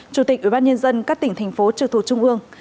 chủ tịch ủy ban nhân dân các tỉnh thành phố trực thuộc trung ương